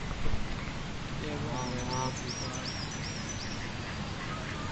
They would not let me into the garden.